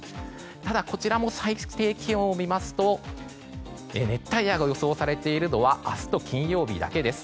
ただ、こちらも最低気温を見ますと熱帯夜が予想されているのは明日と金曜日だけです。